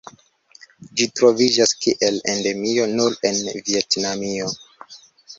Ĝi troviĝas kiel endemio nur en Vjetnamio.